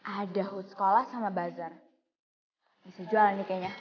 ada hood sekolah sama bazar bisa jualan nih kayaknya